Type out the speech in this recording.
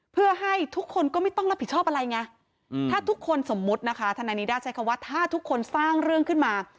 เพื่อให้ทุกคนก็ไม่ต้องรับผิดชอบอะไรไงถ้าทุกคนสมมุตินะคะธนายนิด้าใช้คำว่าถ้าทุกคนสร้างเรื่องขึ้นมา